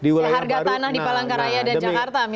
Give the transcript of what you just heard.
harga tanah di palangkaraya dan jakarta